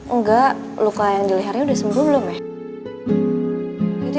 engga luka yang di lehernya udah sembuh belum ya